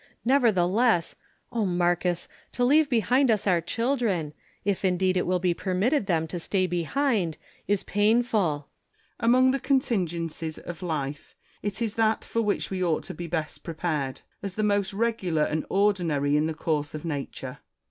Nevertheless, O Marcus ! to leave behind us our children, if indeed it will be permitted tliein to stay behind, is painful. Marcus. Among the contingencies of life, it is that for winch we ought to be best prepared, as the most regular and ordinary in the course of Nature.